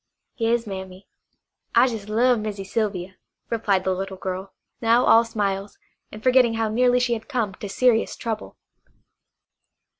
"Yas, Mammy. I jes' love Missy Sylvia," replied the little girl, now all smiles, and forgetting how nearly she had come to serious trouble.